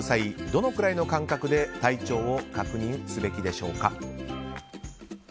どのくらいの感覚で体調を確認をすべきでしょうか？